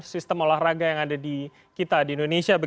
sistem olahraga yang ada di kita di indonesia